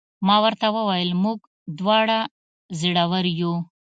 ما ورته وویل: موږ دواړه زړور یو.